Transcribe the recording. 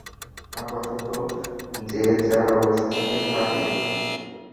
আপাতত যে যার অবস্থানেই থাকি।